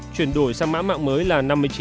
chuyển đổi sang mã mạng mới là năm mươi chín